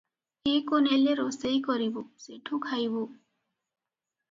ଏକୁ ନେଲେ ରୋଷେଇ କରିବୁ, ସେଠୁ ଖାଇବୁଁ ।